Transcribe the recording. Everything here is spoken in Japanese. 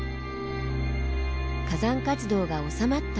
火山活動が収まった